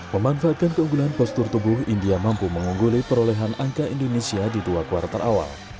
memanfaatkan keunggulan postur tubuh india mampu mengungguli perolehan angka indonesia di dua kuartal awal